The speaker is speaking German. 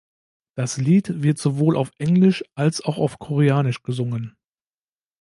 Das Lied wird sowohl auf Englisch als auch auf Koreanisch gesungen.